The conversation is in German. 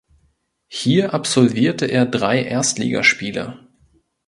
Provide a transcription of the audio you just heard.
Hier absolvierte er drei Erstligaspiele.